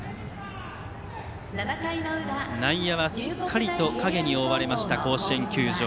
内野はすっかりと影に覆われました甲子園球場。